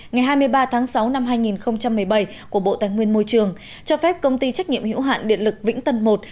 ngày hai mươi ba sáu hai nghìn một mươi bảy của bộ tài nguyên môi trường cho phép công ty trách nhiệm hữu hạn điện lực vĩnh tân i